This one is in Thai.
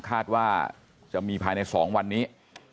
คาดว่าจะมีภายใน๒วันนี้